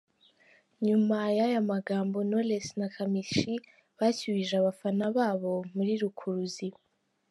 Nyuma y’aya magambo, Knowless na Kamichi bashyuhije abafana babo muri Rukuruzi.